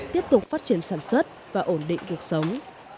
tiếp tục phát triển sản xuất và ổn định cuộc sống